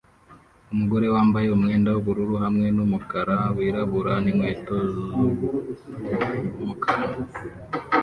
Umugore wambaye umwenda w'ubururu hamwe n'umukara wirabura n'inkweto z'umukara